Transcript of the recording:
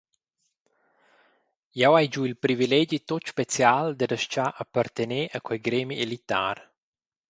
Jeu hai giu il privilegi tut special dad astgar appartener a quei gremi elitar.